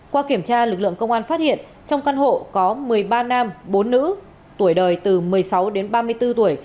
qua kiểm tra lực lượng công an phát hiện trong căn hộ có một mươi ba nam bốn nữ tuổi đời từ một mươi sáu đến ba mươi bốn tuổi